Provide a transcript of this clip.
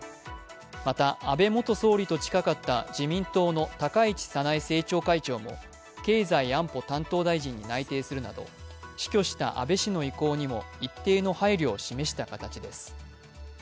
また、安倍元総理と近かった自民党の高市早苗政調会長も経済安保担当大臣に内定するなど死去した安倍氏の意向にも一定の配慮を示した形です。